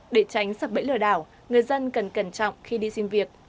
để tránh sập bẫy lừa đảo người dân cần cẩn trọng khi đi xin việc